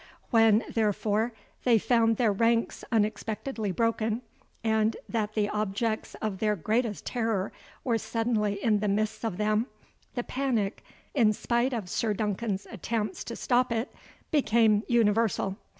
When, therefore, they found their ranks unexpectedly broken, and that the objects of their greatest terror were suddenly in the midst of them, the panic, in spite of Sir Duncan's attempts to stop it, became universal.